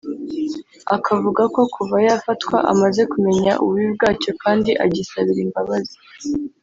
akavuga ko kuva yafatwa amaze kumenya ububi bwacyo kandi agisabira imbabazi